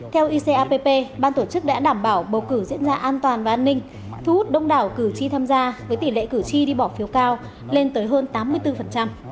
theo icapp ban tổ chức đã đảm bảo bầu cử diễn ra an toàn và an ninh thu hút đông đảo cử tri tham gia với tỷ lệ cử tri đi bỏ phiếu cao lên tới hơn tám mươi bốn